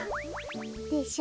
でしょ。